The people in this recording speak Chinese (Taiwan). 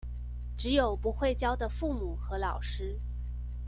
只有不會教的父母和老師